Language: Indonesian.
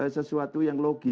sesuatu yang lokalnya